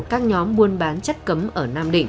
các nhóm buôn bán chất cấm ở nam định